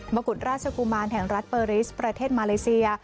กุฎราชกุมารแห่งรัฐเปอร์ริสประเทศมาเลเซีย